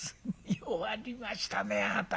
弱りましたねあなた。